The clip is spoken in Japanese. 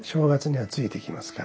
はい。